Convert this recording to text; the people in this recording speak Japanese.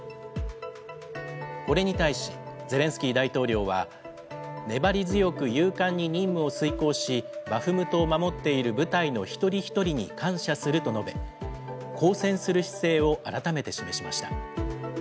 これに対し、ゼレンスキー大統領は粘り強く勇敢に任務を遂行し、バフムトを守っている部隊の一人一人に感謝すると述べ、抗戦する姿勢を改めて示しました。